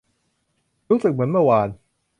รู้สึกเหมือนเมื่อวาน